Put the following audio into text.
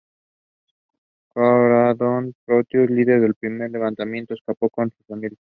Karađorđe Petrović, líder del primer levantamiento, escapó con su familia.